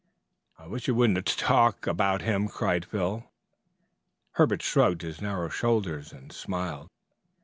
"I wish you wouldn't tut talk about him!" cried Phil. Herbert shrugged his narrow shoulders and smiled.